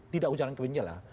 tidak ujaran kebencian lah